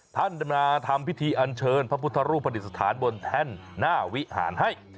ท่านดำนาธรรมพิธีอัญเชิญพระพุทธรูปฏิสถานบนแท่นหน้าวิหารให้